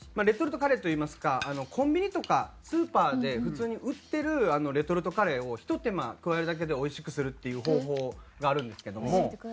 レトルトカレーといいますかコンビニとかスーパーで普通に売ってるレトルトカレーをひと手間加えるだけで美味しくするっていう方法があるんですけども。